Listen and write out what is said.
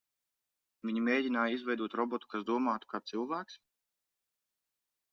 Viņi mēģināja izveidot robotu, kas domātu kā cilvēks?